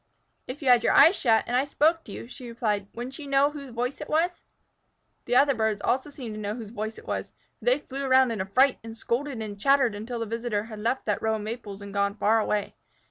"If you had your eyes shut, and I spoke to you," she replied, "wouldn't you known whose voice it was?" The other birds also seemed to know whose voice it was, for they flew around in fright, and scolded and chattered until the visitor had left that row of maples and gone far away.